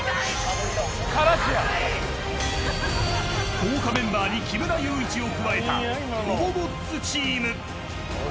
豪華メンバーに木村祐一を加えた、ほぼごっつチーム。